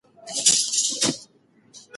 ایا ټوکه د زیان ارزښت لري؟